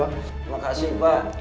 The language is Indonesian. terima kasih pak